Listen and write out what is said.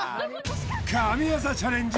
神業チャレンジ